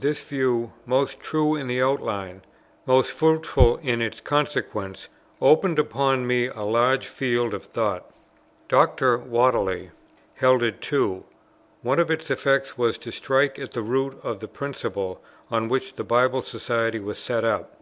This view, most true in its outline, most fruitful in its consequences, opened upon me a large field of thought. Dr. Whately held it too. One of its effects was to strike at the root of the principle on which the Bible Society was set up.